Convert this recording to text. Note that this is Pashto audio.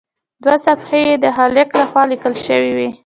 دوه صفحې یې د خالق لخوا لیکل شوي وي.